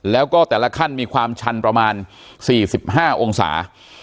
แล้วก็แต่ละขั้นมีความชันประมาณ๔๕องศา